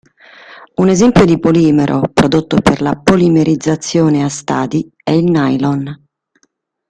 Un esempio di polimero prodotto per polimerizzazione a stadi è il nylon.